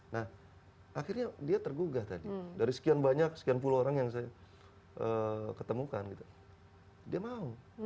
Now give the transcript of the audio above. nah akhirnya dia tergugah tadi dari sekian banyak sekian puluh orang yang saya ketemukan gitu dia mau